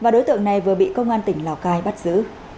và đối tượng này vừa bị công an tỉnh lào cai bắt giữ